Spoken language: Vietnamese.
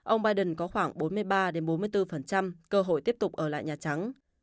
ông biden có khoảng bốn mươi ba bốn mươi bốn cơ hội tiếp tục ở lại nhà trắng